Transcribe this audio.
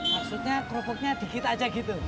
maksudnya kerupuknya dikit aja gitu